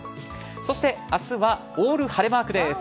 そして明日はオール晴れマークです。